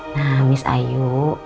nah miss ayu